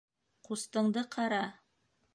Ҡустыңды ҡара!